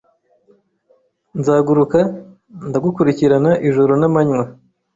Nzaguruka ndagukurikirana Ijoro namanywa